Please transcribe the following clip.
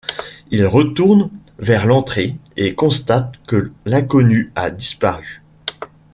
Il retourne vers l'entrée et constate que l'inconnu a disparu.